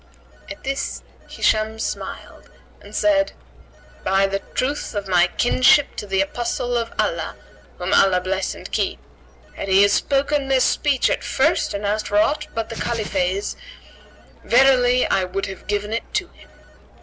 At this Hisham smiled and said, "By the truth of my kinship to the Apostle of Allah (whom Allah bless and keep!), had he spoken this speech at first and asked for aught except the Caliphase, verily I would have given it to him.